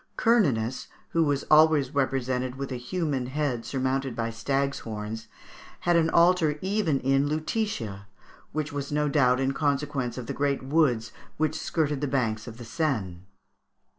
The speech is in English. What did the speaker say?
Cernunnos, who was always represented with a human head surmounted by stags' horns, had an altar even in Lutetia, which was, no doubt, in consequence of the great woods which skirted the banks of the Seine.